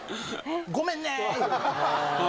「ごめんね」